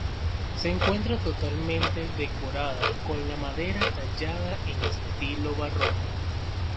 Se encuentra totalmente decorada con madera tallada en estilo barroco.